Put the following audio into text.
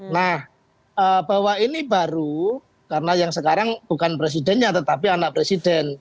nah bahwa ini baru karena yang sekarang bukan presidennya tetapi anak presiden